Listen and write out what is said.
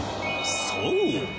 そう！